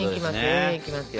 延々いきますよ。